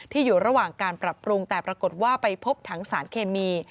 อยู่ระหว่างการปรับปรุงแต่ปรากฏว่าไปพบถังสารเคมี